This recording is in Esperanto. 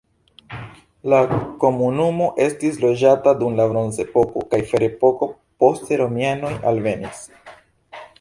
La komunumo estis loĝata dum la bronzepoko kaj ferepoko, poste romianoj alvenis.